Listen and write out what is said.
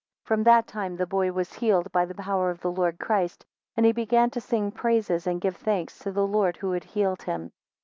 17 From that time the boy was healed by the power of the Lord Christ and he began to sing praises, and give thanks to the Lord who had healed him.